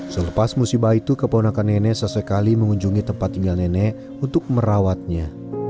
selepas musibah itu keponakan nenek sesekali mengunjungi tempat tinggal nenek untuk merawatnya